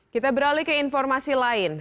kita beralih ke informasi lain